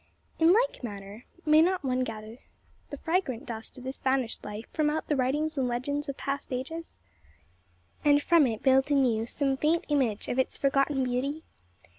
In like manner, may not one gather the fragrant dust of this vanished life from out the writings and legends of past ages, and from it build anew some faint image of its forgotten beauty?